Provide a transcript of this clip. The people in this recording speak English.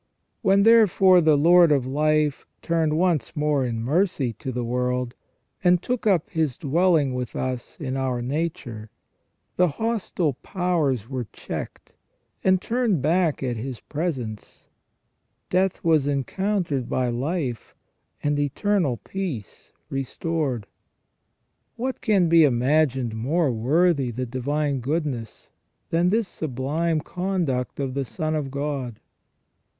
When, therefore, the Lord of life turned once more in mercy to the world, and took up His dwelling with us in our nature, the hostile powers were checked, and turned back at His presence; death was encountered by life, and eternal peace restored. What can be imagined more worthy the divine goodness than this sublime conduct of the Son of God